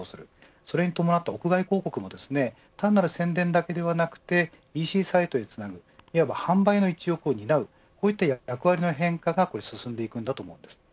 それに伴って屋外広告も単なる宣伝だけではなくＥＣサイトへつなぐいわば販売の一翼を担う役割の変化が進んでいきます。